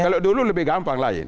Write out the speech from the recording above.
kalau dulu lebih gampang lah ya